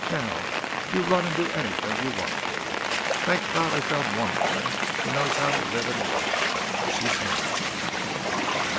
"Now you run and do anything you want to. Thank God, I've found one woman who knows how to live and love. She's mine!"